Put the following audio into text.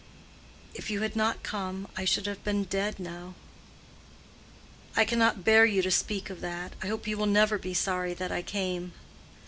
"If you had not come, I should have been dead now." "I cannot bear you to speak of that. I hope you will never be sorry that I came."